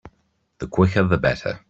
The quicker the better.